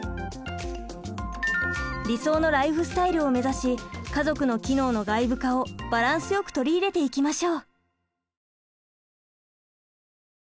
理想のライフスタイルを目指し家族の機能の外部化をバランスよく取り入れていきましょう！